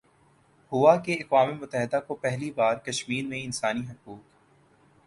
ہوا کہ اقوام متحدہ کو پہلی بار کشمیرمیں انسانی حقوق